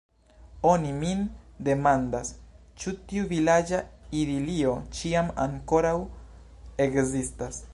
Oni min demandas, ĉu tiu vilaĝa idilio ĉiam ankoraŭ ekzistas.